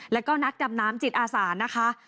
แล้วก็นักดำน้ำจิตอาสานะคะ